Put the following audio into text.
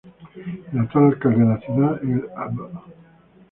El actual alcalde de la ciudad, el Ab.